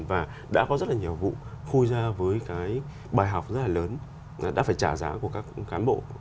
và đã có rất là nhiều vụ phôi ra với cái bài học rất là lớn đã phải trả giá của các cán bộ